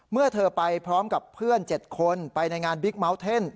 เมื่อเธอไปพร้อมกับเพื่อน๗คนไปในงานบิ๊กเมาส์เทน